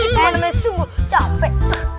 malemnya sungguh capek